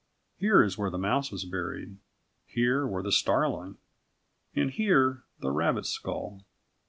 Here is where the mouse was buried; here where the starling; and here the rabbit's skull.